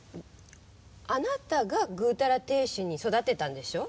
あなたがぐうたら亭主に育てたんでしょ？